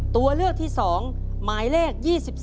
ตัวเลือกที่๒หมายเลข๒๒